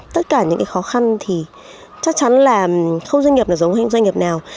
tất cả những khó khăn thì chắc chắn là không doanh nghiệp giống doanh nghiệp nào